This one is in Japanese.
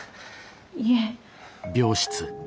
いえ。